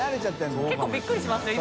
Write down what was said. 結構びっくりしますよ